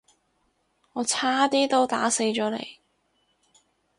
我差啲都打死咗你